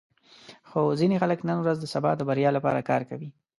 خو ځینې خلک نن ورځ د سبا د بریا لپاره کار کوي.